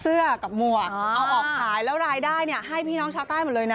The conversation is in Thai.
กับหมวกเอาออกขายแล้วรายได้เนี่ยให้พี่น้องชาวใต้หมดเลยนะ